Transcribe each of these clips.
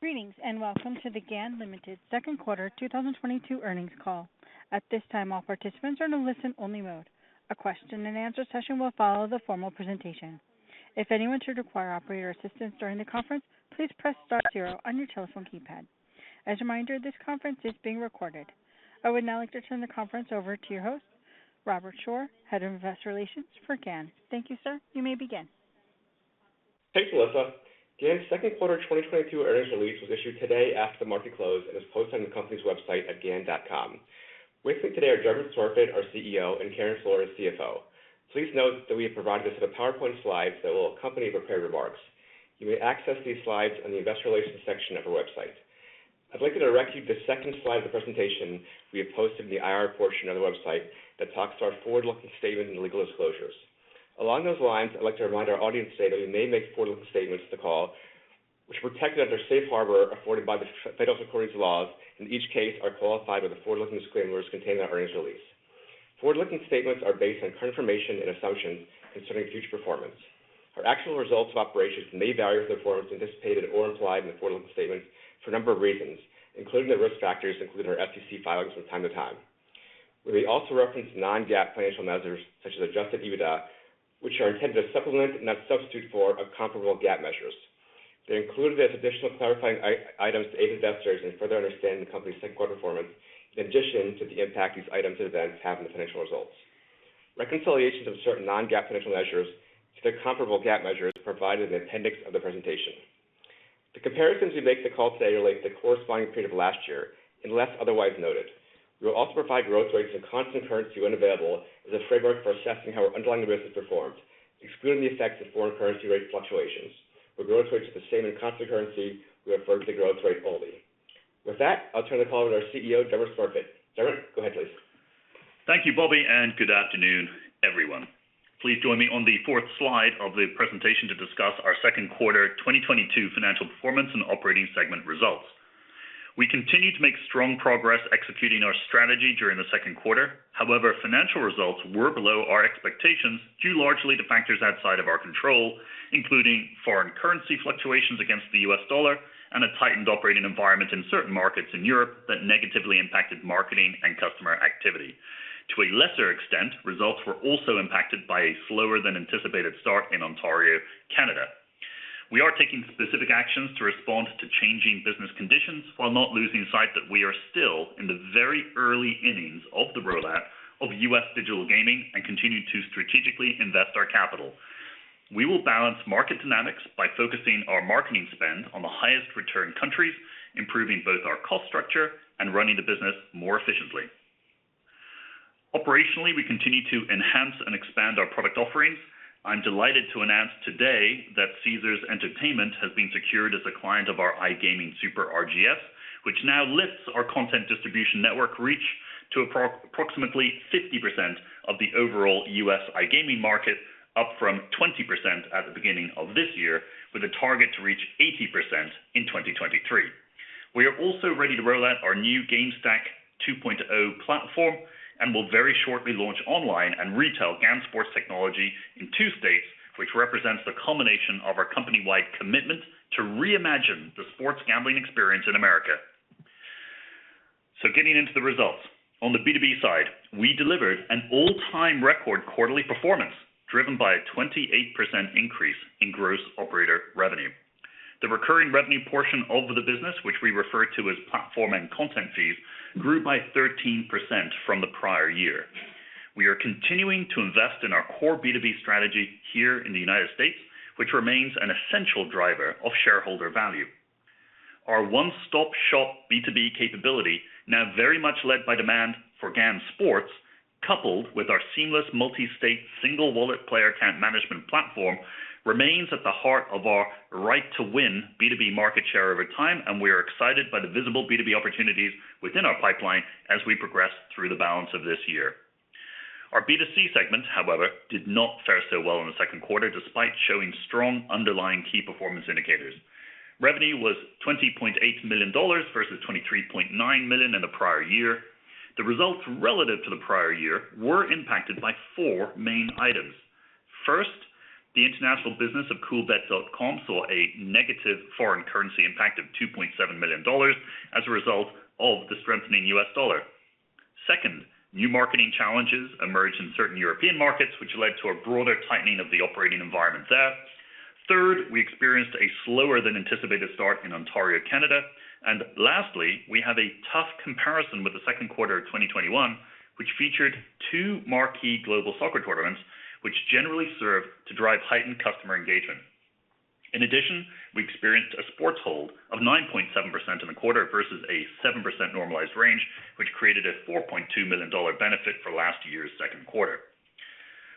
Greetings, and welcome to the GAN Limited second quarter 2022 earnings call. At this time, all participants are in a listen-only mode. A question-and-answer session will follow the formal presentation. If anyone should require operator assistance during the conference, please press star zero on your telephone keypad. As a reminder, this conference is being recorded. I would now like to turn the conference over to your host, Robert Shore, Head of Investor Relations for GAN. Thank you, sir. You may begin. Thanks, Alyssa. GAN's second quarter 2022 earnings release was issued today after the market closed and is posted on the company's website at gan.com. With me today are Dermot Smurfit, our CEO, and Karen Flores, CFO. Please note that we have provided a set of PowerPoint slides that will accompany prepared remarks. You may access these slides in the investor relations section of our website. I'd like to direct you to the second slide of the presentation we have posted in the IR portion of the website that talks to our forward-looking statements and legal disclosures. Along those lines, I'd like to remind our audience today that we may make forward-looking statements on the call which are protected under Safe Harbor afforded by the federal securities laws. In each case, they are qualified with the forward-looking disclaimers contained in our earnings release. Forward-looking statements are based on current information and assumptions concerning future performance. Our actual results of operations may vary with the performance indicated or implied in the forward-looking statements for a number of reasons, including the risk factors included in our SEC filings from time to time. We may also reference non-GAAP financial measures such as adjusted EBITDA, which are intended to supplement, not substitute for, our comparable GAAP measures. They're included as additional clarifying items to aid investors in further understanding the company's second quarter performance, in addition to the impact these items and events have on the financial results. Reconciliations of certain non-GAAP financial measures to their comparable GAAP measures are provided in the appendix of the presentation. The comparisons we make in the call today relate to the corresponding period of last year, unless otherwise noted. We will also provide growth rates in constant currency when available as a framework for assessing how our underlying business performed, excluding the effects of foreign currency rate fluctuations. Where growth rates are the same in constant currency, we refer to the growth rate only. With that, I'll turn the call over to our CEO, Dermot Smurfit. Dermot, go ahead, please. Thank you, Robert, and good afternoon, everyone. Please join me on the Slide 4 of the presentation to discuss our second quarter 2022 financial performance and operating segment results. We continued to make strong progress executing our strategy during the second quarter. However, financial results were below our expectations due largely to factors outside of our control, including foreign currency fluctuations against the U.S. dollar and a tightened operating environment in certain markets in Europe that negatively impacted marketing and customer activity. To a lesser extent, results were also impacted by a slower than anticipated start in Ontario, Canada. We are taking specific actions to respond to changing business conditions while not losing sight that we are still in the very early innings of the rollout of U.S. digital gaming and continue to strategically invest our capital. We will balance market dynamics by focusing our marketing spend on the highest return countries, improving both our cost structure and running the business more efficiently. Operationally, we continue to enhance and expand our product offerings. I'm delighted to announce today that Caesars Entertainment has been secured as a client of our iGaming Super RGS, which now lifts our content distribution network reach to approximately 50% of the overall U.S. iGaming market, up from 20% at the beginning of this year, with a target to reach 80% in 2023. We are also ready to roll out our new GameSTACK 2.0 platform and will very shortly launch online and retail GAN Sports technology in two states, which represents the culmination of our company-wide commitment to reimagine the sports gambling experience in America. Getting into the results. On the B2B side, we delivered an all-time record quarterly performance, driven by a 28% increase in gross operator revenue. The recurring revenue portion of the business, which we refer to as platform and content fees, grew by 13% from the prior year. We are continuing to invest in our core B2B strategy here in the United States, which remains an essential driver of shareholder value. Our one-stop shop B2B capability, now very much led by demand for GAN Sports, coupled with our seamless multi-state single wallet player account management platform, remains at the heart of our right to win B2B market share over time, and we are excited by the visible B2B opportunities within our pipeline as we progress through the balance of this year. Our B2C segment, however, did not fare so well in the second quarter, despite showing strong underlying key performance indicators. Revenue was $20.8 million versus $23.9 million in the prior year. The results relative to the prior year were impacted by four main items. First, the international business of Coolbet.com saw a negative foreign currency impact of $2.7 million as a result of the strengthening U.S. dollar. Second, new marketing challenges emerged in certain European markets, which led to a broader tightening of the operating environment there. Third, we experienced a slower than anticipated start in Ontario, Canada. Lastly, we had a tough comparison with the second quarter of 2021, which featured two marquee global soccer tournaments, which generally served to drive heightened customer engagement. In addition, we experienced a sports hold of 9.7% in the quarter versus a 7% normalized range, which created a $4.2 million benefit for last year's second quarter.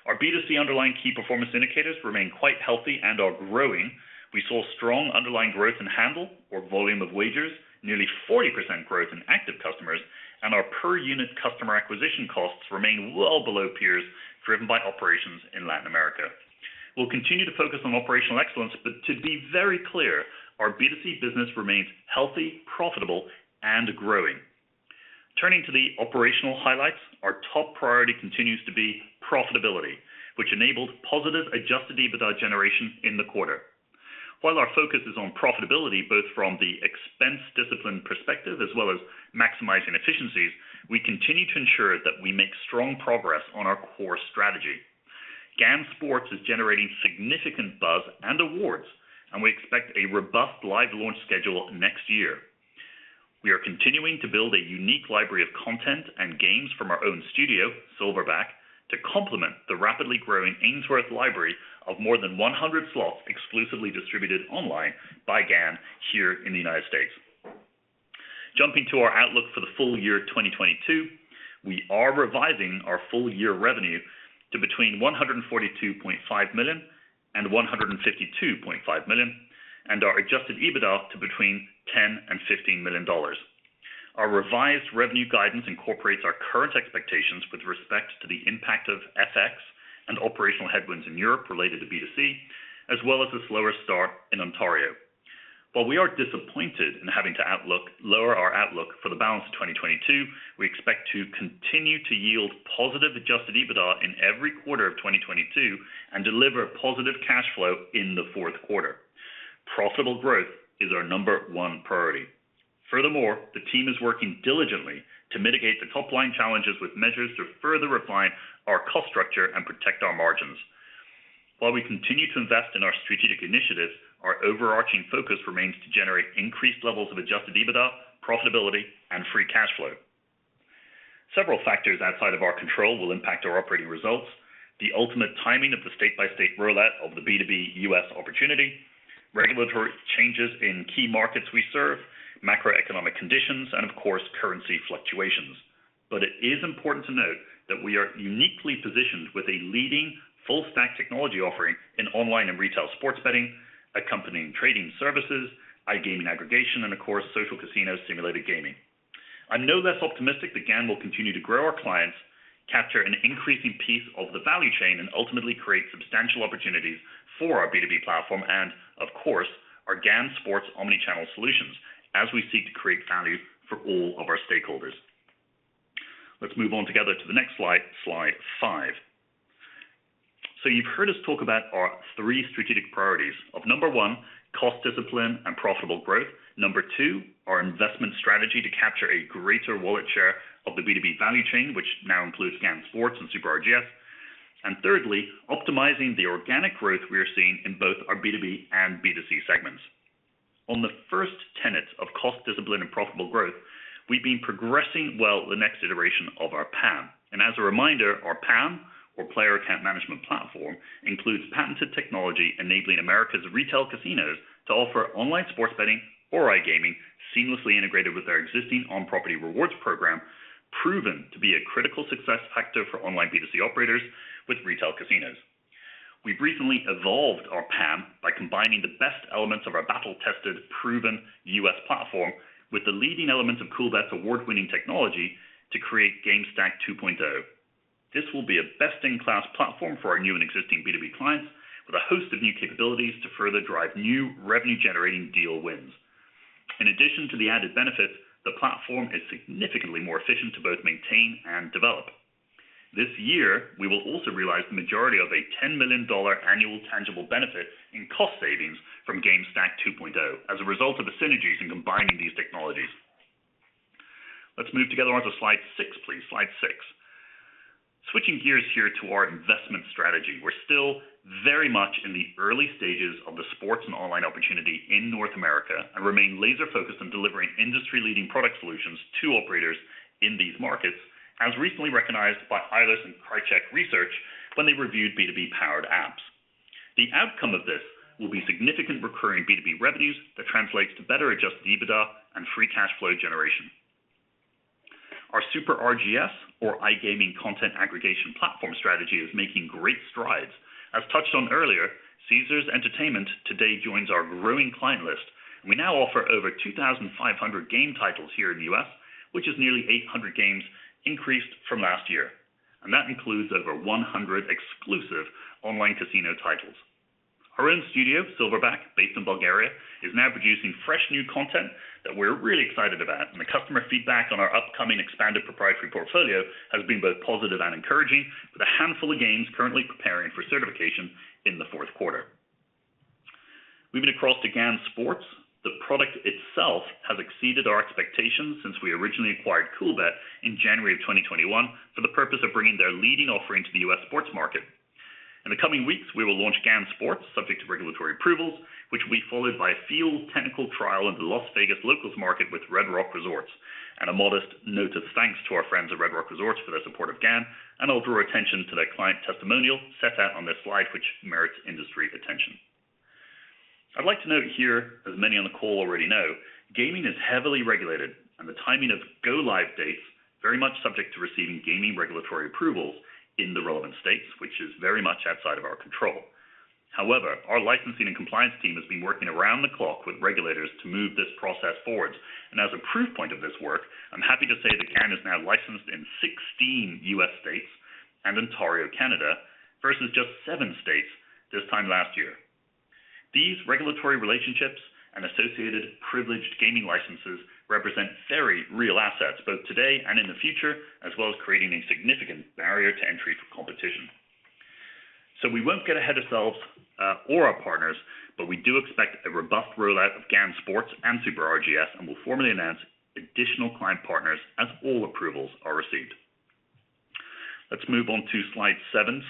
Our B2C underlying key performance indicators remain quite healthy and are growing. We saw strong underlying growth in handle or volume of wagers, nearly 40% growth in active customers, and our per unit customer acquisition costs remain well below peers, driven by operations in Latin America. We'll continue to focus on operational excellence, but to be very clear, our B2C business remains healthy, profitable, and growing. Turning to the operational highlights. Our top priority continues to be profitability, which enabled positive adjusted EBITDA generation in the quarter. While our focus is on profitability, both from the expense discipline perspective as well as maximizing efficiencies, we continue to ensure that we make strong progress on our core strategy. GAN Sports is generating significant buzz and awards, and we expect a robust live launch schedule next year. We are continuing to build a unique library of content and games from our own studio, Silverback, to complement the rapidly growing Ainsworth library of more than 100 slots exclusively distributed online by GAN here in the United States. Jumping to our outlook for the full year 2022, we are revising our full year revenue to between $142.5 million–$152.5 million and our adjusted EBITDA to between $10 million–$15 million. Our revised revenue guidance incorporates our current expectations with respect to the impact of FX and operational headwinds in Europe related to B2C, as well as a slower start in Ontario. While we are disappointed in having to lower our outlook for the balance of 2022, we expect to continue to yield positive adjusted EBITDA in every quarter of 2022 and deliver positive cash flow in the fourth quarter. Profitable growth is our number-one priority. Furthermore, the team is working diligently to mitigate the top-line challenges with measures to further refine our cost structure and protect our margins. While we continue to invest in our strategic initiatives, our overarching focus remains to generate increased levels of adjusted EBITDA, profitability, and free cash flow. Several factors outside of our control will impact our operating results. The ultimate timing of the state-by-state rollout of the B2B U.S. opportunity, regulatory changes in key markets we serve, macroeconomic conditions, and of course, currency fluctuations. It is important to note that we are uniquely positioned with a leading full-stack technology offering in online and retail sports betting, accompanying trading services, iGaming aggregation, and of course, social casino simulated gaming. I'm no less optimistic that GAN will continue to grow our clients, capture an increasing piece of the value chain, and ultimately create substantial opportunities for our B2B platform and of course, our GAN Sports omnichannel solutions as we seek to create value for all of our stakeholders. Let's move on together to the next slide 5. You've heard us talk about our three strategic priorities of: number one, cost discipline and profitable growth. Number 2, our investment strategy to capture a greater wallet share of the B2B value chain, which now includes GAN Sports and Super RGS. Thirdly, optimizing the organic growth we are seeing in both our B2B and B2C segments. On the first tenet of cost discipline and profitable growth, we've been progressing well the next iteration of our PAM. As a reminder, our PAM or player account management platform includes patented technology enabling America's retail casinos to offer online sports betting or iGaming seamlessly integrated with their existing on-property rewards program, proven to be a critical success factor for online B2C operators with retail casinos. We've recently evolved our PAM by combining the best elements of our battle-tested, proven U.S. platform with the leading elements of Coolbet's award-winning technology to create GameSTACK 2.0. This will be a best-in-class platform for our new and existing B2B clients with a host of new capabilities to further drive new revenue-generating deal wins. In addition to the added benefits, the platform is significantly more efficient to both maintain and develop. This year, we will also realize the majority of a $10 million annual tangible benefit in cost savings from GameSTACK 2.0 as a result of the synergies in combining these technologies. Let's move together on to slide 6, please. Slide 6. Switching gears here to our investment strategy. We're still very much in the early stages of the sports and online opportunity in North America and remain laser-focused on delivering industry-leading product solutions to operators in these markets, as recently recognized by Eilers & Krejcik Gaming when they reviewed B2B powered apps. The outcome of this will be significant recurring B2B revenues that translates to better adjusted EBITDA and free cash flow generation. Our Super RGS or iGaming content aggregation platform strategy is making great strides. As touched on earlier, Caesars Entertainment today joins our growing client list. We now offer over 2,500 game titles here in the U.S., which is nearly 800 games increased from last year, and that includes over 100 exclusive online casino titles. Our own studio, Silverback, based in Bulgaria, is now producing fresh new content that we're really excited about, and the customer feedback on our upcoming expanded proprietary portfolio has been both positive and encouraging, with a handful of games currently preparing for certification in the fourth quarter. Moving across to GAN Sports, the product itself has exceeded our expectations since we originally acquired Coolbet in January of 2021 for the purpose of bringing their leading offering to the U.S. sports market. In the coming weeks, we will launch GAN Sports subject to regulatory approvals, which will be followed by a field technical trial in the Las Vegas locals market with Red Rock Resorts. A modest note of thanks to our friends at Red Rock Resorts for their support of GAN, and I'll draw attention to their client testimonial set out on this slide, which merits industry attention. I'd like to note here, as many on the call already know, gaming is heavily regulated and the timing of go-live dates very much subject to receiving gaming regulatory approvals in the relevant states, which is very much outside of our control. However, our licensing and compliance team has been working around the clock with regulators to move this process forward. As a proof point of this work, I'm happy to say that GAN is now licensed in 16 U.S. states and Ontario, Canada, versus just 7 states this time last year. These regulatory relationships and associated privileged gaming licenses represent very real assets both today and in the future, as well as creating a significant barrier to entry for competition. We won't get ahead of ourselves, or our partners, but we do expect a robust rollout of GAN Sports and Super RGS, and we'll formally announce additional client partners as all approvals are received. Let’s move on to Slide 7.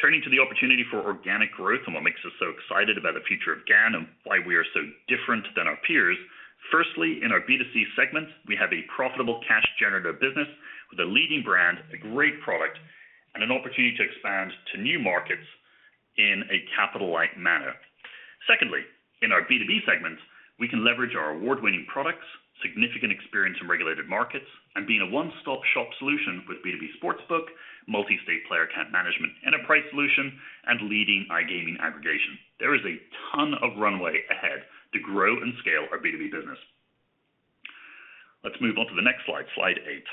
Turning to the opportunity for organic growth and what makes us so excited about the future of GAN and why we are so different than our peers. Firstly, in our B2C segment, we have a profitable cash generator business with a leading brand, a great product, and an opportunity to expand to new markets in a capital-light manner. Secondly, in our B2B segment, we can leverage our award-winning products, significant experience in regulated markets and being a one-stop shop solution with B2B Sportsbook, multi-state player account management enterprise solution, and leading iGaming aggregation. There is a ton of runway ahead to grow and scale our B2B business. Let's move on to the next slide. Slide 8.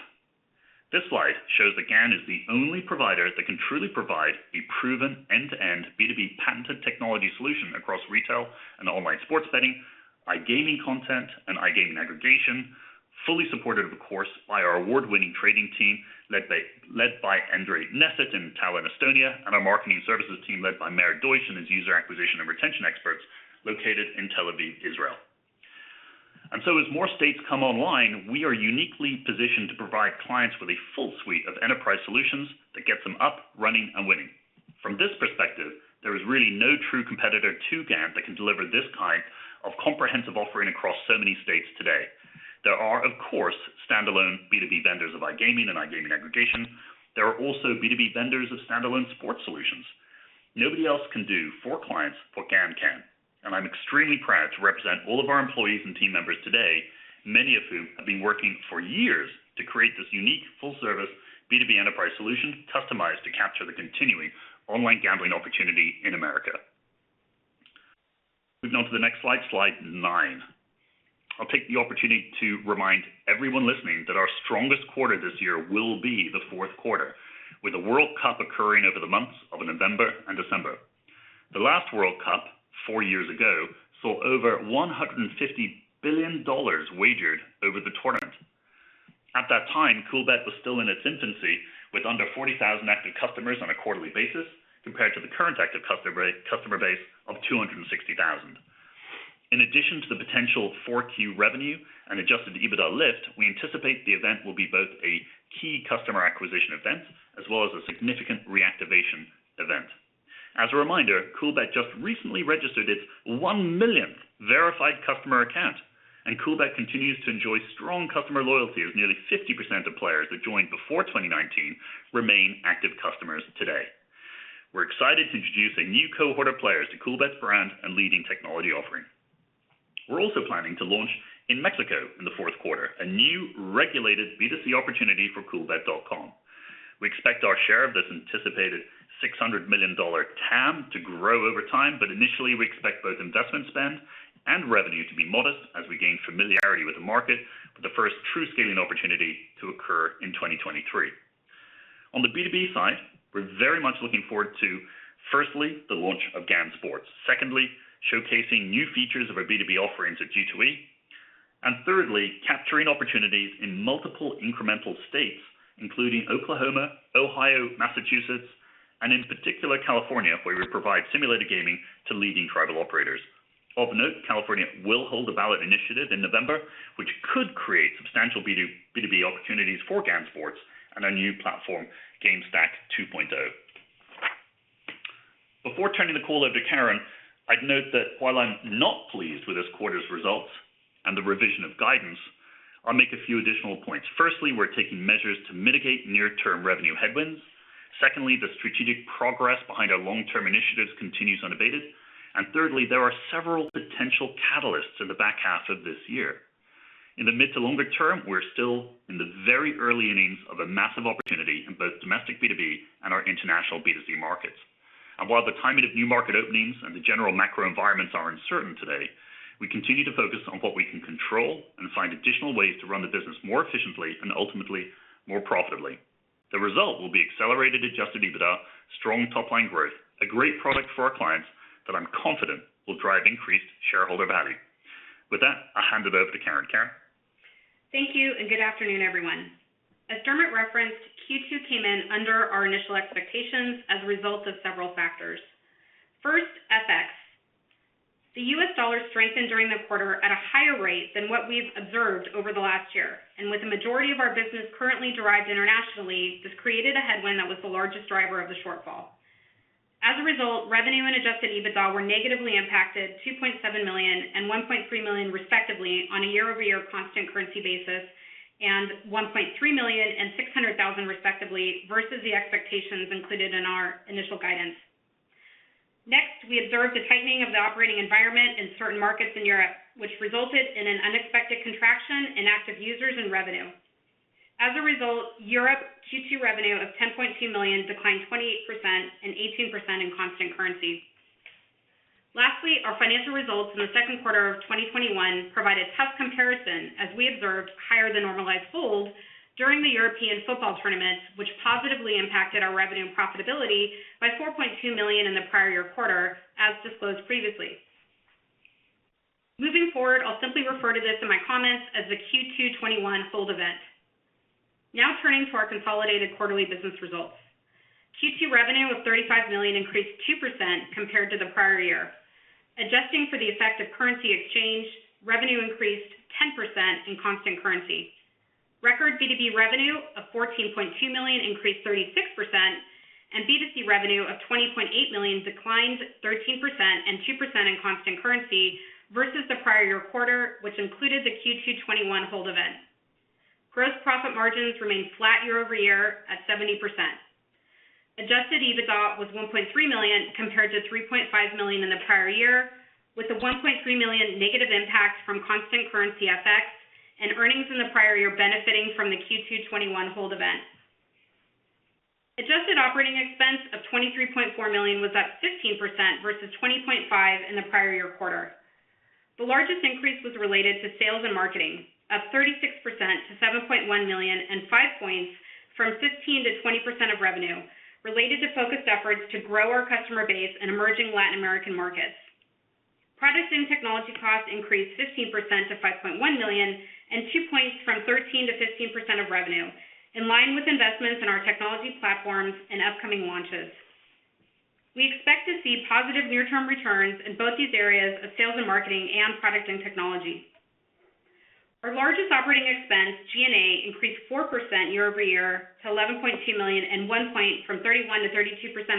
This slide shows that GAN is the only provider that can truly provide a proven end-to-end B2B patented technology solution across retail and online sports betting, iGaming content, and iGaming aggregation, fully supported, of course, by our award-winning trading team, led by Andrei Nesterov in Tallinn, Estonia, and our marketing services team led by Meir Deutsch and his user acquisition and retention experts located in Tel Aviv, Israel. As more states come online, we are uniquely positioned to provide clients with a full suite of enterprise solutions that get them up running, and winning. From this perspective, there is really no true competitor to GAN that can deliver this kind of comprehensive offering across so many states today. There are, of course, stand-alone B2B vendors of iGaming and iGaming aggregation. There are also B2B vendors of stand-alone sports solutions. Nobody else can do for clients what GAN can, and I'm extremely proud to represent all of our employees and team members today, many of whom have been working for years to create this unique full-service B2B enterprise solution customized to capture the continuing online gambling opportunity in America. Moving on to the next slide. Slide 9. I'll take the opportunity to remind everyone listening that our strongest quarter this year will be the fourth quarter, with the World Cup occurring over the months of November and December. The last World Cup, four years ago, saw over $150 billion wagered over the tournament. At that time, Coolbet was still in its infancy, with under 40,000 active customers on a quarterly basis, compared to the current active customer base of 260,000. In addition to the potential Q4 revenue and adjusted EBITDA lift, we anticipate the event will be both a key customer acquisition event as well as a significant reactivation event. As a reminder, Coolbet just recently registered its 1 millionth verified customer account, and Coolbet continues to enjoy strong customer loyalty, with nearly 50% of players that joined before 2019 remain active customers today. We're excited to introduce a new cohort of players to Coolbet's brand and leading technology offering. We're also planning to launch in Mexico in the fourth quarter, a new regulated B2C opportunity for Coolbet.com. We expect our share of this anticipated $600 million TAM to grow over time, but initially, we expect both investment spend and revenue to be modest as we gain familiarity with the market, with the first true scaling opportunity to occur in 2023. On the B2B side, we're very much looking forward to, firstly, the launch of GAN Sports. Secondly, showcasing new features of our B2B offerings at G2E. And thirdly, capturing opportunities in multiple incremental states, including Oklahoma, Ohio, Massachusetts, and in particular, California, where we provide simulated gaming to leading tribal operators. Of note, California will hold a ballot initiative in November, which could create substantial B2B opportunities for GAN Sports and our new platform, GameSTACK 2.0. Before turning the call over to Karen, I'd note that while I'm not pleased with this quarter's results and the revision of guidance, I'll make a few additional points. Firstly, we're taking measures to mitigate near-term revenue headwinds. Secondly, the strategic progress behind our long-term initiatives continues unabated. And thirdly, there are several potential catalysts in the back half of this year. In the mid to longer term, we're still in the very early innings of a massive opportunity in both domestic B2B and our international B2C markets. While the timing of new market openings and the general macro environments are uncertain today, we continue to focus on what we can control and find additional ways to run the business more efficiently and ultimately more profitably. The result will be accelerated adjusted EBITDA, strong top-line growth, a great product for our clients that I'm confident will drive increased shareholder value. With that, I'll hand it over to Karen. Karen? Thank you and good afternoon, everyone. As Dermot referenced, Q2 came in under our initial expectations as a result of several factors. First, FX. The U.S. dollar strengthened during the quarter at a higher rate than what we've observed over the last year, and with the majority of our business currently derived internationally, this created a headwind that was the largest driver of the shortfall. As a result, revenue and adjusted EBITDA were negatively impacted $2.7 million and $1.3 million respectively on a year-over-year constant currency basis, and $1.3 million and $600,000 respectively versus the expectations included in our initial guidance. Next, we observed the tightening of the operating environment in certain markets in Europe, which resulted in an unexpected contraction in active users and revenue. As a result, Europe Q2 revenue of $10.2 million declined 28% and 18% in constant currency. Lastly, our financial results in the second quarter of 2021 provided tough comparison as we observed higher than normalized hold during the European football tournament, which positively impacted our revenue and profitability by $4.2 million in the prior year quarter, as disclosed previously. Moving forward, I'll simply refer to this in my comments as the Q2 2021 hold event. Now turning to our consolidated quarterly business results. Q2 revenue of $35 million increased 2% compared to the prior year. Adjusting for the effect of currency exchange, revenue increased 10% in constant currency. Record B2B revenue of $14.2 million increased 36%, and B2C revenue of $20.8 million declined 13% and 2% in constant currency versus the prior year quarter, which included the Q2 2021 hold event. Gross profit margins remained flat year-over-year at 70%. Adjusted EBITDA was $1.3 million compared to $3.5 million in the prior year, with a $1.3 million negative impact from constant currency FX and earnings in the prior year benefiting from the Q2 2021 hold event. Adjusted operating expense of $23.4 million was up 15% versus $20.5 million in the prior year quarter. The largest increase was related to sales and marketing, up 36% to $7.1 million and 5 points from 15%–20% of revenue related to focused efforts to grow our customer base in emerging Latin American markets. Products and technology costs increased 15% to $5.1 million and two points from 13%–15% of revenue in line with investments in our technology platforms and upcoming launches. We expect to see positive near-term returns in both these areas of sales and marketing and product and technology. Our largest operating expense, G&A, increased 4% year-over-year to $11.2 million and one point from 31%–32%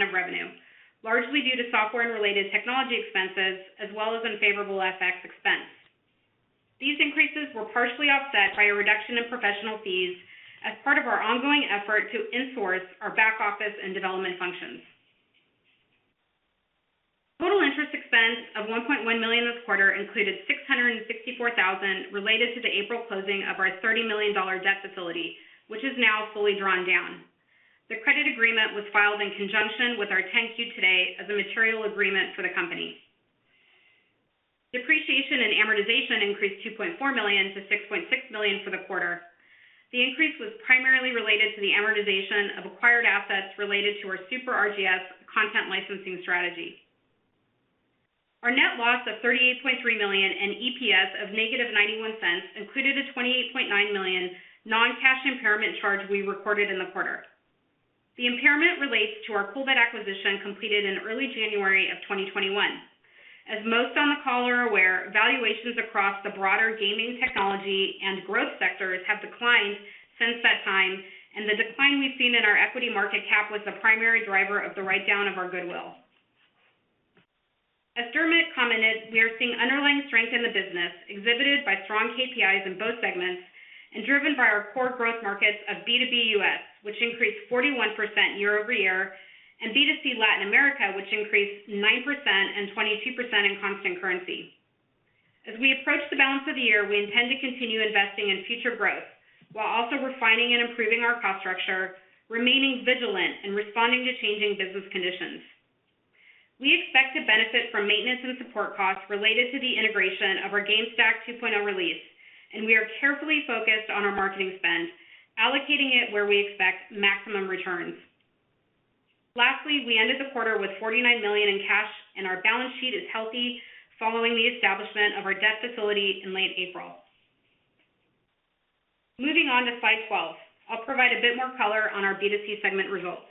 of revenue, largely due to software and related technology expenses, as well as unfavorable FX expense. These increases were partially offset by a reduction in professional fees as part of our ongoing effort to in-source our back office and development functions. Total interest expense of $1.1 million this quarter included $664,000 related to the April closing of our $30 million debt facility, which is now fully drawn down. The credit agreement was filed in conjunction with our 10-Q today as a material agreement for the company. Depreciation and amortization increased $2.4 million–$6.6 million for the quarter. The increase was primarily related to the amortization of acquired assets related to our Super RGS content licensing strategy. Our net loss of $38.3 million and EPS of ($0.91) included a $28.9 million non-cash impairment charge we recorded in the quarter. The impairment relates to our Coolbet acquisition completed in early January of 2021. As most on the call are aware, valuations across the broader gaming technology and growth sectors have declined since that time, and the decline we've seen in our equity market cap was the primary driver of the write-down of our goodwill. As Dermot commented, we are seeing underlying strength in the business exhibited by strong KPIs in both segments and driven by our core growth markets of B2B U.S., which increased 41% year-over-year, and B2C Latin America, which increased 9% and 22% in constant currency. As we approach the balance of the year, we intend to continue investing in future growth while also refining and improving our cost structure, remaining vigilant and responding to changing business conditions. We expect to benefit from maintenance and support costs related to the integration of our GameSTACK 2.0 release, and we are carefully focused on our marketing spend, allocating it where we expect maximum returns. Lastly, we ended the quarter with $49 million in cash, and our balance sheet is healthy following the establishment of our debt facility in late April. Moving on to Slide 12. I'll provide a bit more color on our B2C segment results.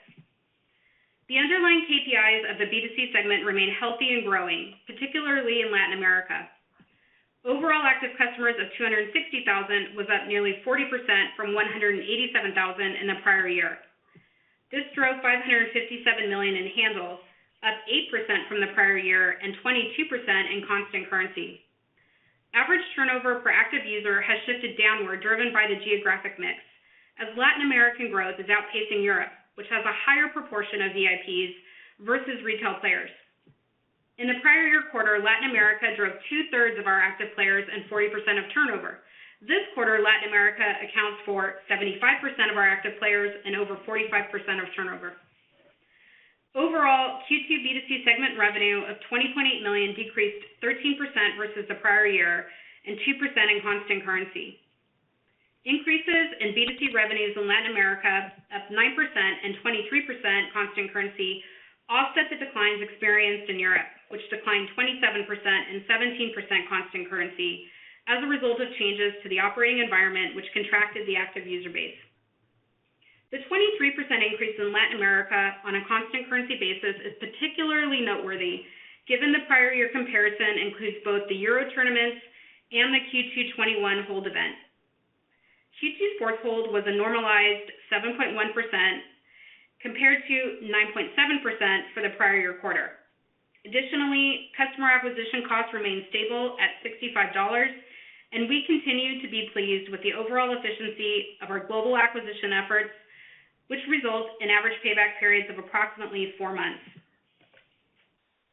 The underlying KPIs of the B2C segment remain healthy and growing, particularly in Latin America. Overall, active customers of 260,000 was up nearly 40% from 187,000 in the prior year. This drove $557 million in handles, up 8% from the prior year and 22% in constant currency. Average turnover per active user has shifted downward, driven by the geographic mix as Latin American growth is outpacing Europe, which has a higher proportion of VIPs versus retail players. In the prior year quarter, Latin America drove two-thirds of our active players and 40% of turnover. This quarter, Latin America accounts for 75% of our active players and over 45% of turnover. Overall, Q2 B2C segment revenue of $20.8 million decreased 13% versus the prior year and 2% in constant currency. Increases in B2C revenues in Latin America, up 9% and 23% constant currency, offset the declines experienced in Europe, which declined 27% and 17% constant currency as a result of changes to the operating environment which contracted the active user base. The 23% increase in Latin America on a constant currency basis is particularly noteworthy given the prior year comparison includes both the Euro tournaments and the Q2 2021 hold event. Q2 sports hold was a normalized 7.1% compared to 9.7% for the prior year quarter. Additionally, customer acquisition costs remain stable at $65, and we continue to be pleased with the overall efficiency of our global acquisition efforts, which result in average payback periods of approximately four months.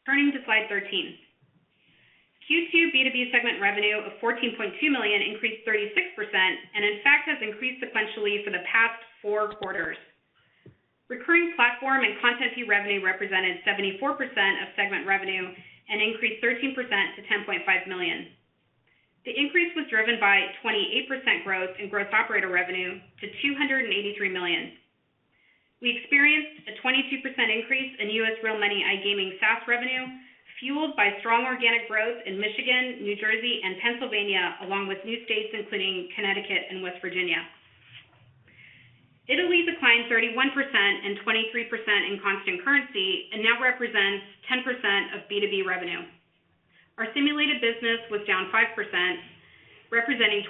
Turning to Slide 13. Q2 B2B segment revenue of $14.2 million increased 36%, and in fact has increased sequentially for the past four quarters. Recurring platform and content fee revenue represented 74% of segment revenue and increased 13% to $10.5 million. The increase was driven by 28% growth in gross operator revenue to $283 million. We experienced a 22% increase in U.S. real money iGaming SaaS revenue, fueled by strong organic growth in Michigan, New Jersey, and Pennsylvania, along with new states including Connecticut and West Virginia. Italy declined 31% and 23% in constant currency and now represents 10% of B2B revenue. Our simulated business was down 5%, representing 20%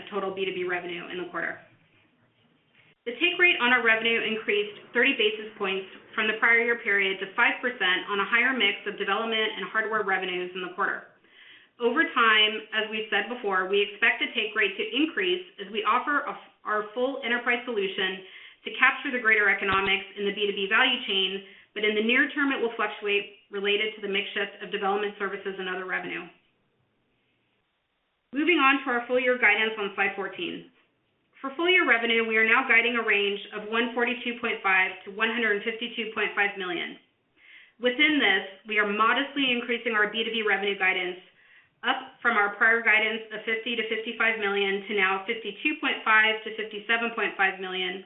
of total B2B revenue in the quarter. The take rate on our revenue increased 30 basis points from the prior year period to 5% on a higher mix of development and hardware revenues in the quarter. Over time, as we've said before, we expect the take rate to increase as we offer our full enterprise solution to capture the greater economics in the B2B value chain. In the near term, it will fluctuate related to the mix shift of development services and other revenue. Moving on to our full year guidance on Slide 14. For full year revenue, we are now guiding a range of $142.5 million–$152.5 million. Within this, we are modestly increasing our B2B revenue guidance up from our prior guidance of $50 million–$55 million to now $52.5 million–$57.5 million,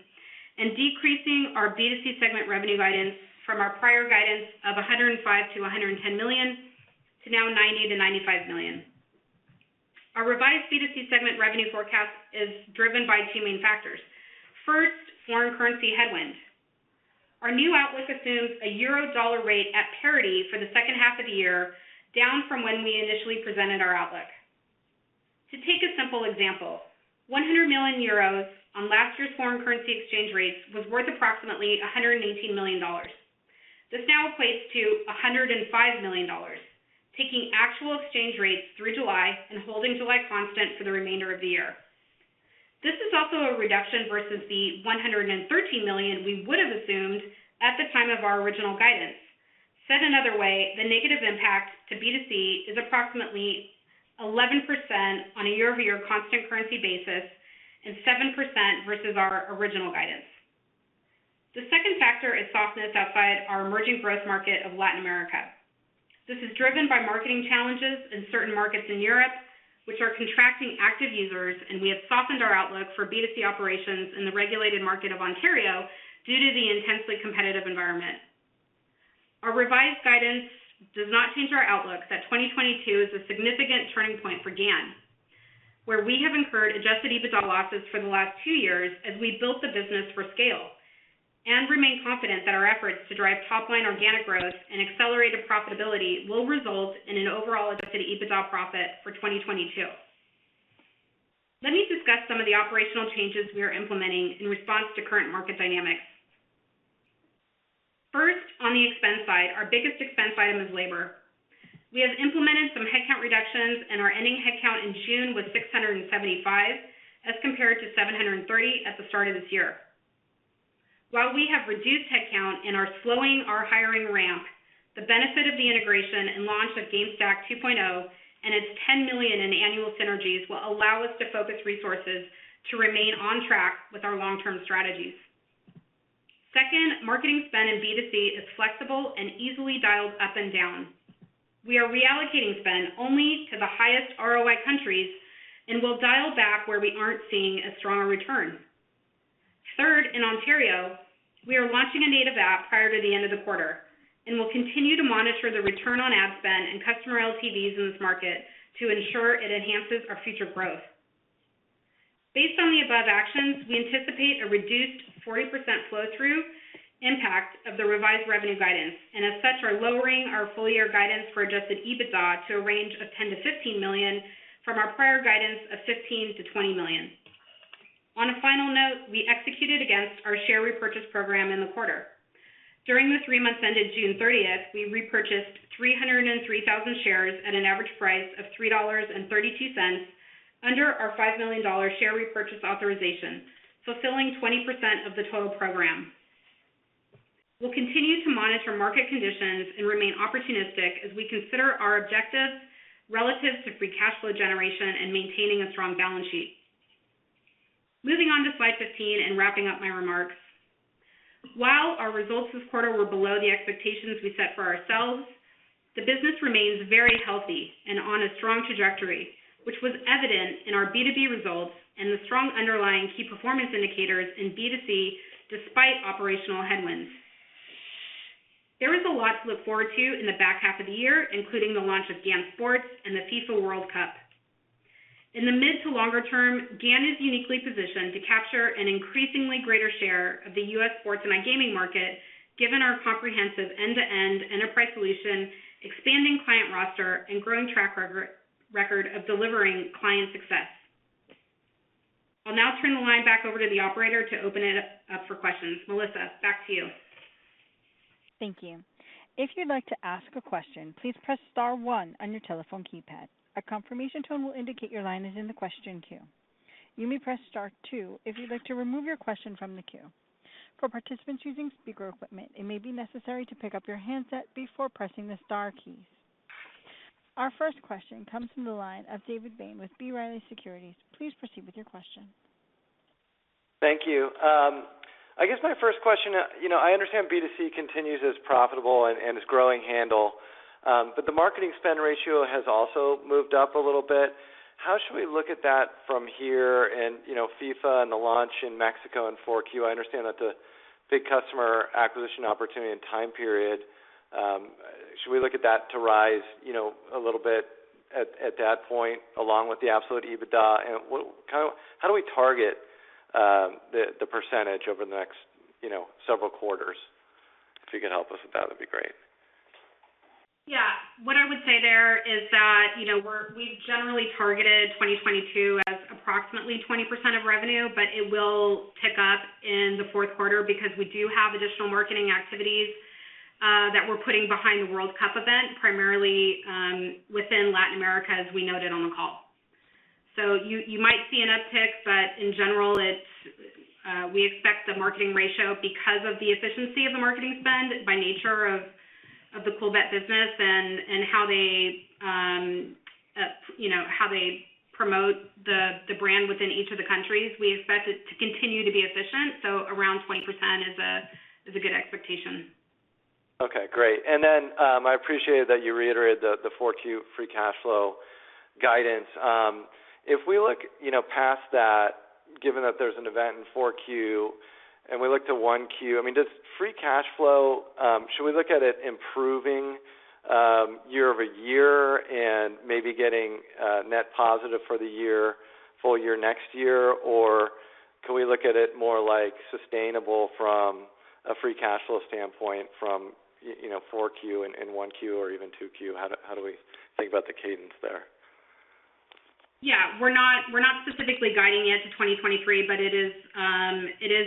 and decreasing our B2C segment revenue guidance from our prior guidance of $105 million–$110 million to now $90 million–$95 million. Our revised B2C segment revenue forecast is driven by two main factors. First, foreign currency headwinds. Our new outlook assumes a euro-dollar rate at parity for the second half of the year, down from when we initially presented our outlook. To take a simple example, 100 million euros on last year's foreign currency exchange rates was worth approximately $118 million. This now equates to $105 million, taking actual exchange rates through July and holding July constant for the remainder of the year. This is also a reduction versus the $113 million we would have assumed at the time of our original guidance. Said another way, the negative impact to B2C is approximately 11% on a year-over-year constant currency basis and 7% versus our original guidance. The second factor is softness outside our emerging growth market of Latin America. This is driven by marketing challenges in certain markets in Europe, which are contracting active users, and we have softened our outlook for B2C operations in the regulated market of Ontario due to the intensely competitive environment. Our revised guidance does not change our outlook that 2022 is a significant turning point for GAN, where we have incurred adjusted EBITDA losses for the last two years as we built the business for scale and remain confident that our efforts to drivetop-line organic growth and accelerated profitability will result in an overall adjusted EBITDA profit for 2022. Let me discuss some of the operational changes we are implementing in response to current market dynamics. First, on the expense side, our biggest expense item is labor. We have implemented some headcount reductions and our ending headcount in June was 675 as compared to 730 at the start of this year. While we have reduced headcount and are slowing our hiring ramp, the benefit of the integration and launch of GameSTACK 2.0 and its $10 million in annual synergies will allow us to focus resources to remain on track with our long-term strategies. Second, marketing spend in B2C is flexible and easily dialed up and down. We are reallocating spend only to the highest ROI countries and will dial back where we aren't seeing a strong return. Third, in Ontario, we are launching a native app prior to the end of the quarter and will continue to monitor the return on ad spend and customer LTVs in this market to ensure it enhances our future growth. Based on the above actions, we anticipate a reduced 40% flow-through impact of the revised revenue guidance and as such are lowering our full-year guidance for adjusted EBITDA to a range of $10 million–$15 million from our prior guidance of $15 million–$20 million. On a final note, we executed against our share repurchase program in the quarter. During the three months ended June 30, we repurchased 303,000 shares at an average price of $3.32 under our $5 million share repurchase authorization, fulfilling 20% of the total program. We'll continue to monitor market conditions and remain opportunistic as we consider our objectives relative to free cash flow generation and maintaining a strong balance sheet. Moving on to Slide 15 and wrapping up my remarks. While our results this quarter were below the expectations we set for ourselves, the business remains very healthy and on a strong trajectory, which was evident in our B2B results and the strong underlying key performance indicators in B2C despite operational headwinds. There is a lot to look forward to in the back half of the year, including the launch of GAN Sports and the FIFA World Cup. In the mid to longer term, GAN is uniquely positioned to capture an increasingly greater share of the U.S. sports and iGaming market given our comprehensive end-to-end enterprise solution, expanding client roster, and growing track record of delivering client success. I'll now turn the line back over to the operator to open it up for questions. Melissa, back to you. Thank you. If you'd like to ask a question, please press star one on your telephone keypad. A confirmation tone will indicate your line is in the question queue. You may press star two if you'd like to remove your question from the queue. For participants using speaker equipment, it may be necessary to pick up your handset before pressing the star keys. Our first question comes from the line of David Bain with B. Riley Securities. Please proceed with your question. Thank you. I guess my first question, you know, I understand B2C continues as profitable and is growing handle, but the marketing spend ratio has also moved up a little bit. How should we look at that from here and, you know, FIFA and the launch in Mexico in Q4? I understand that the big customer acquisition opportunity and time period should we look at that to rise, you know, a little bit at that point, along with the absolute EBITDA? How do we target the percentage over the next, you know, several quarters? If you could help us with that'd be great. Yeah. What I would say there is that, you know, we've generally targeted 2022 as approximately 20% of revenue, but it will pick up in the fourth quarter because we do have additional marketing activities that we're putting behind the World Cup event, primarily within Latin America, as we noted on the call. You might see an uptick, but in general it's we expect the marketing ratio because of the efficiency of the marketing spend by nature of the Coolbet business and how they, you know, promote the brand within each of the countries. We expect it to continue to be efficient, so around 20% is a good expectation. Okay, great. I appreciated that you reiterated the 4Q free cash flow guidance. If we look, you know, past that, given that there's an event in 4Q and we look to Q1, I mean, does free cash flow should we look at it improving year-over-year and maybe getting net positive for the year, full year next year? Or can we look at it more like sustainable from a free cash flow standpoint from, you know, 4Q and one Q or even Q2? How do we think about the cadence there? Yeah. We're not specifically guiding it to 2023, but it is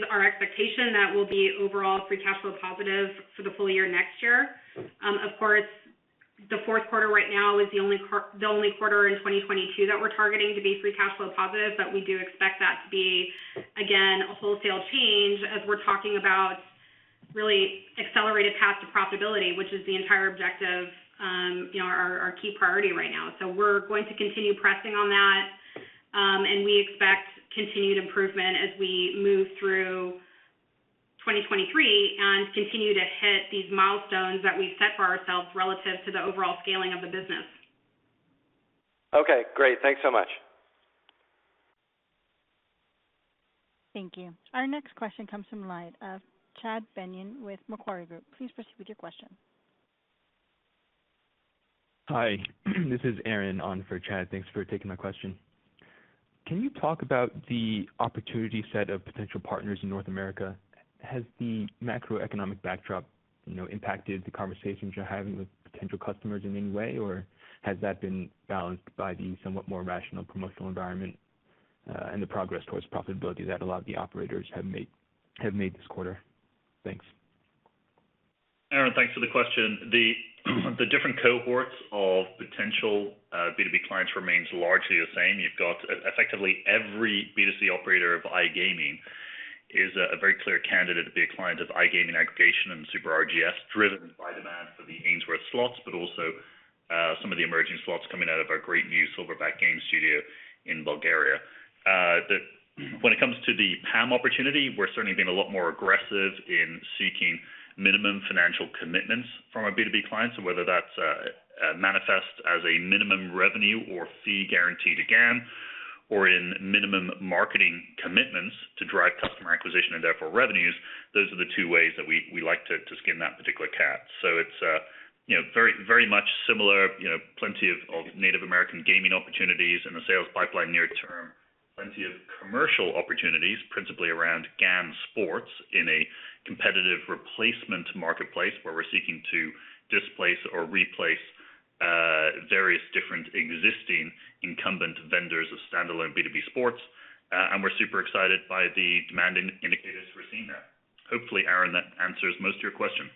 our expectation that we'll be overall free cash flow positive for the full year next year. Of course, the fourth quarter right now is the only quarter in 2022 that we're targeting to be free cash flow positive, but we do expect that to be, again, a wholesale change as we're talking about really accelerated path to profitability, which is the entire objective, you know, our key priority right now. We're going to continue pressing on that, and we expect continued improvement as we move through 2023 and continue to hit these milestones that we've set for ourselves relative to the overall scaling of the business. Okay, great. Thanks so much. Thank you. Our next question comes from the line of Chad Beynon with Macquarie Group. Please proceed with your question. Hi, this is Aaron on for Chad. Thanks for taking my question. Can you talk about the opportunity set of potential partners in North America? Has the macroeconomic backdrop, you know, impacted the conversations you're having with potential customers in any way, or has that been balanced by the somewhat more rational promotional environment, and the progress towards profitability that a lot of the operators have made this quarter? Thanks. Aaron, thanks for the question. The different cohorts of potential B2B clients remains largely the same. You've got effectively every B2C operator of iGaming is a very clear candidate to be a client of iGaming aggregation and Super RGS, driven by demand for the Ainsworth slots, but also some of the emerging slots coming out of our great new Silverback Gaming studio in Bulgaria. When it comes to the PAM opportunity, we're certainly being a lot more aggressive in seeking minimum financial commitments from our B2B clients, so whether that's manifest as a minimum revenue or fee guaranteed to GAN or in minimum marketing commitments to drive customer acquisition and therefore revenues, those are the two ways that we like to skin that particular cat. It's very much similar, you know, plenty of Native American gaming opportunities in the sales pipeline near term, plenty of commercial opportunities, principally around GAN Sports in a competitive replacement marketplace where we're seeking to displace or replace various different existing incumbent vendors of standalone B2B sports. We're super excited by the demand indicators we're seeing there. Hopefully, Aaron, that answers most of your question.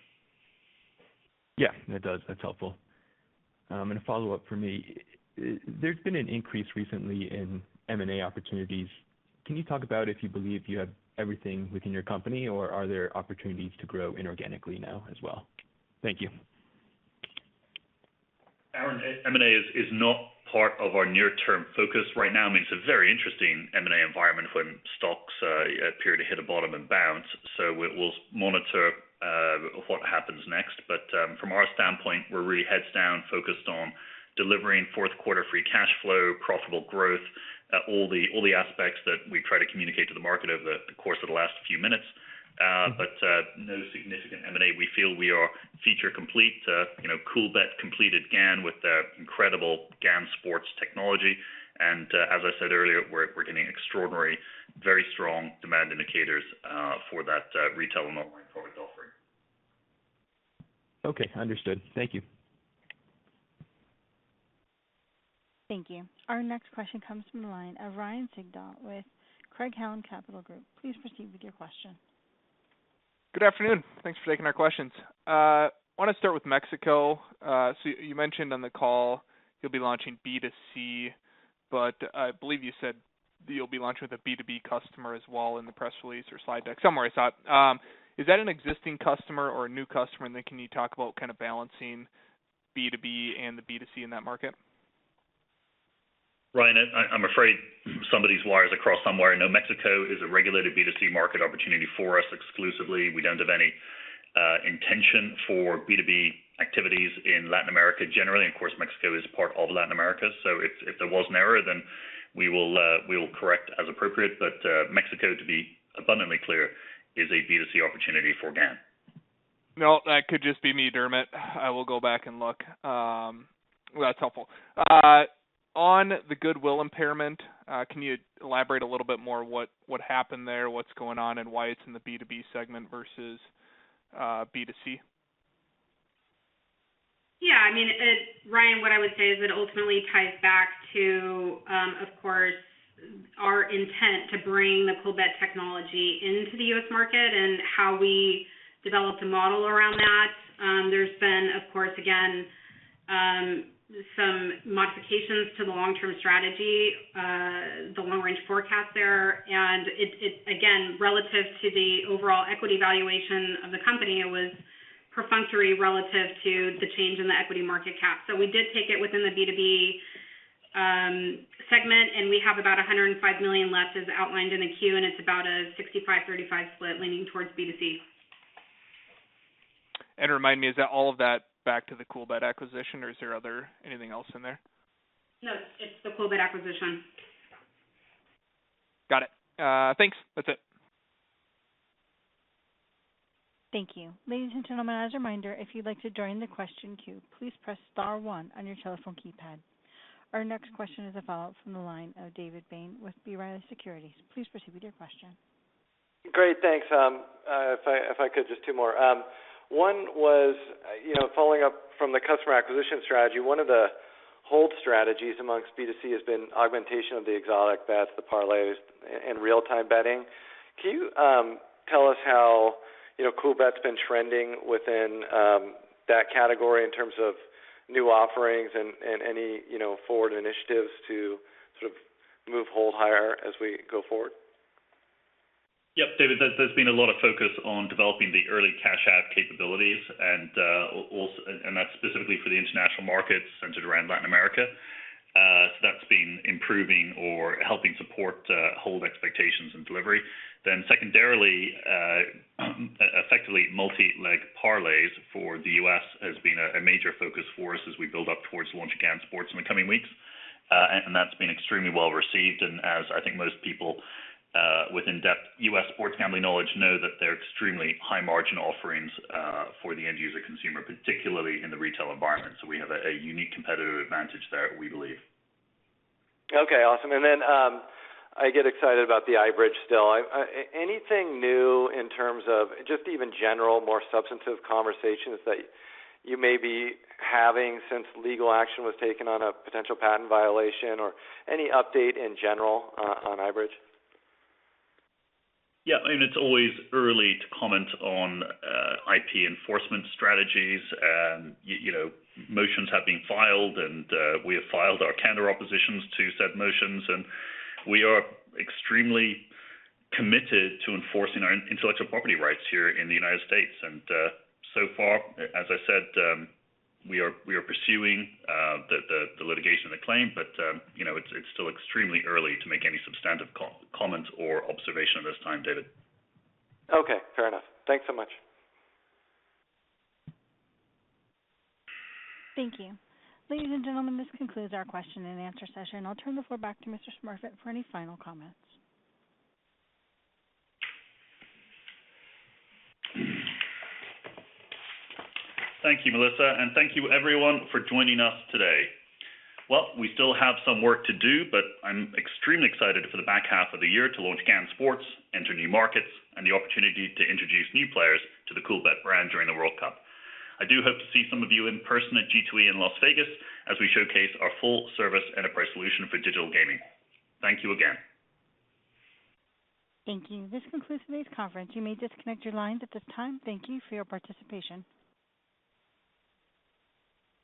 Yeah, it does. That's helpful. A follow-up for me. There's been an increase recently in M&A opportunities. Can you talk about if you believe you have everything within your company, or are there opportunities to grow inorganically now as well? Thank you. Aaron, M&A is not part of our near-term focus right now. I mean, it's a very interesting M&A environment when stocks appear to hit a bottom and bounce. We'll monitor what happens next. From our standpoint, we're really heads down focused on delivering fourth quarter free cash flow, profitable growth, all the aspects that we try to communicate to the market over the course of the last few minutes. No significant M&A. We feel we are feature complete. You know, Coolbet completed GameSTACK With the incredible GAN Sports technology. As I said earlier, we're getting extraordinary, very strong demand indicators for that retail and online forward offering. Okay, understood. Thank you. Thank you. Our next question comes from the line of Ryan Sigdahl with Craig-Hallum Capital Group. Please proceed with your question. Good afternoon. Thanks for taking our questions. I want to start with Mexico. You mentioned on the call you'll be launching B2C, but I believe you said you'll be launching with a B2B customer as well in the press release or slide deck somewhere I saw it. Is that an existing customer or a new customer? Can you talk about kind of balancing B2B and the B2C in that market? Ryan, I'm afraid some of these wires crossed somewhere. I know Mexico is a regulated B2C market opportunity for us exclusively. We don't have any intention for B2B activities in Latin America generally, and of course, Mexico is part of Latin America. If there was an error, then we will correct as appropriate. Mexico, to be abundantly clear, is a B2C opportunity for GAN. No, that could just be me, Dermot. I will go back and look. That's helpful. On the goodwill impairment, can you elaborate a little bit more what happened there, what's going on, and why it's in the B2B segment versus B2C? Yeah, I mean, Ryan, what I would say is it ultimately ties back to, of course, our intent to bring the Coolbet technology into the U.S. market and how we developed a model around that. There's been, of course, again, some modifications to the long-term strategy, the long-range forecast there. It again, relative to the overall equity valuation of the company, it was pro forma relative to the change in the equity market cap. We did take it within the B2B segment, and we have about $105 million left, as outlined in the Q, and it's about a 65%-35% split leaning towards B2C. Remind me, is that all of that back to the Coolbet acquisition or is there anything else in there? No, it's the Coolbet acquisition. Got it. Thanks. That's it. Thank you. Ladies and gentlemen, as a reminder, if you'd like to join the question queue, please press star one on your telephone keypad. Our next question is a follow-up from the line of David Bain with B. Riley Securities. Please proceed with your question. Great. Thanks. If I could, just two more. One was, you know, following up from the customer acquisition strategy, one of the hold strategies among B2C has been augmentation of the exotic bets, the parlays and real-time betting. Can you tell us how, you know, Coolbet's been trending within that category in terms of new offerings and any, you know, forward initiatives to sort of move hold higher as we go forward? Yep. David, there's been a lot of focus on developing the early cash out capabilities and that's specifically for the international markets centered around Latin America. So that's been improving or helping support hold expectations and delivery. Secondarily, effectively, multi-leg parlays for the U.S. has been a major focus for us as we build up towards launch of GAN Sports in the coming weeks. That's been extremely well received. As I think most people with in-depth U.S. sports gambling knowledge know that they're extremely high margin offerings for the end user consumer, particularly in the retail environment. We have a unique competitive advantage there, we believe. Okay, awesome. I get excited about the iBridge still. Anything new in terms of just even general, more substantive conversations that you may be having since legal action was taken on a potential patent violation or any update in general on iBridge? Yeah, I mean, it's always early to comment on IP enforcement strategies. You know, motions have been filed, and we have filed our counter oppositions to said motions, and we are extremely committed to enforcing our intellectual property rights here in the United States. So far, as I said, we are pursuing the litigation of the claim, but you know, it's still extremely early to make any substantive comments or observation at this time, David. Okay. Fair enough. Thanks so much. Thank you. Ladies and gentlemen, this concludes our question and answer session. I'll turn the floor back to Mr. Smurfit for any final comments. Thank you, Melissa, and thank you everyone for joining us today. Well, we still have some work to do, but I'm extremely excited for the back half of the year to launch GAN Sports, enter new markets, and the opportunity to introduce new players to the Coolbet brand during the World Cup. I do hope to see some of you in person at G2E in Las Vegas as we showcase our full-service enterprise solution for digital gaming. Thank you again. Thank you. This concludes today's conference. You may disconnect your lines at this time. Thank you for your participation.